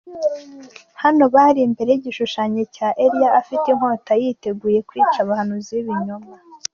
Hano bari imbere y'igishushanyo cya Eliya afite inkota yiteguye kwica abahanuzi b'ibinyoma.